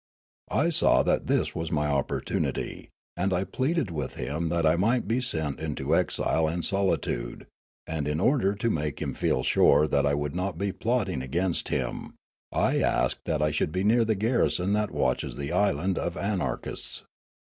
I saw that this was my opportunity, and I pleaded with him that I might be sent into exile and solitude; and, in order to make him feel sure that I could not be plotting against him, I asked that I should be near the garrison that watches the island of anarchists.